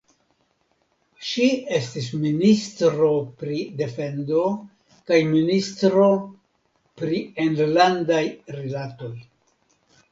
Ŝi estis ministro pri defendo kaj ministro pri enlandaj rilatoj.